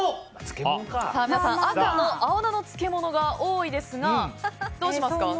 赤の青菜の漬物が多いですがどうしますか？